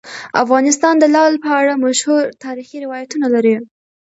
افغانستان د لعل په اړه مشهور تاریخی روایتونه لري.